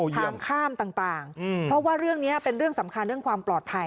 ทางข้ามต่างเพราะว่าเรื่องนี้เป็นเรื่องสำคัญเรื่องความปลอดภัย